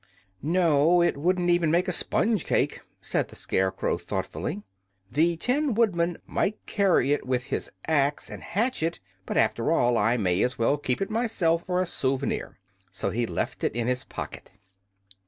"No; it wouldn't even make a sponge cake," said the Scarecrow, thoughtfully. "The Tin Woodman might carry it with his axe and hatch it; but after all I may as well keep it myself for a souvenir." So he left it in his pocket.